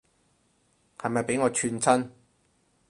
係咪畀我串親